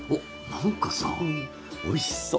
何かさおいしそう。